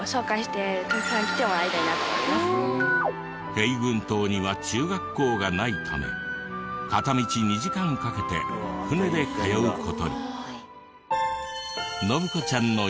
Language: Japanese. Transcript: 平郡島には中学校がないため片道２時間かけて船で通う事に。